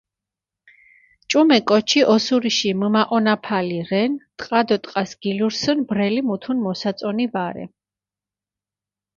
ჭუმე კოჩი ოსურიში მჷმაჸონაფალი რენ, ტყა დო ტყას გილურსჷნ, ბრელი მუთუნ მოსაწონი ვარე.